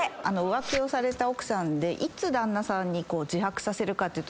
浮気をされた奥さんでいつ旦那さんに自白させるかっていうと。